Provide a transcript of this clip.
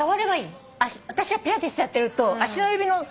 私はピラティスやってると足の指の。